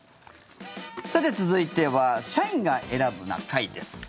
さて、続いては「社員が選ぶな会」です。